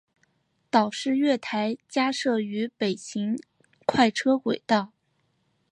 岛式月台加设于北行快车轨道。